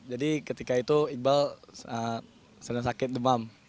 jadi ketika itu iqbal sedang sakit demam